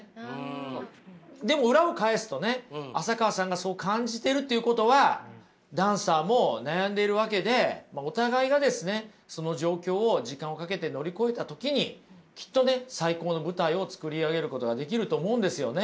でも裏を返すとね浅川さんがそう感じてるっていうことはダンサーも悩んでいるわけでお互いがですねその状況を時間をかけて乗り越えた時にきっとね最高の舞台を作り上げることができると思うんですよね。